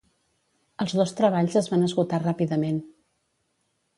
Els dos treballs es van esgotar ràpidament.